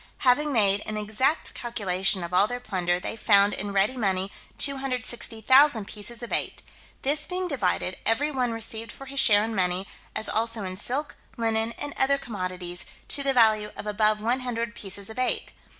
Having made an exact calculation of all their plunder, they found in ready money 260,000 pieces of eight: this being divided, every one received for his share in money, as also in silk, linen, and other commodities, to the value of above 100 pieces of eight.